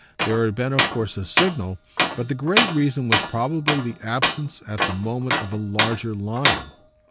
There had been of course a signal, but the great reason was probably the absence at the moment of a larger lion.